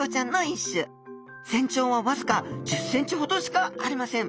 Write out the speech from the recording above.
全長はわずか１０センチほどしかありません